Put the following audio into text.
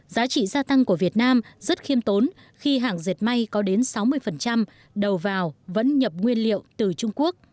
giá trị gia tăng của việt nam rất khiêm tốn khi hàng dệt may có đến sáu mươi đầu vào vẫn nhập nguyên liệu từ trung quốc